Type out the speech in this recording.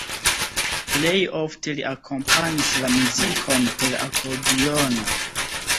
Plej ofte li akompanis la muzikon per akordiono.